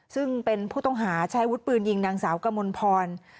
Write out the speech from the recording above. ซึ่งเป็นผู้ต้องหาใช้วุฒิปืนยิงนางสาวกมลพร